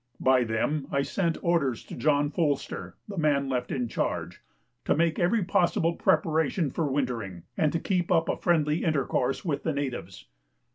By them I sent orders to John Folster (the man left in charge) to make every possible preparation for wintering, and to keep up a friendly intercourse with the natives.